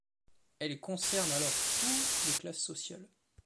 Elle concerne alors toutes les classes sociales.